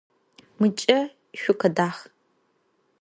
Mıç'e şsukhıdah!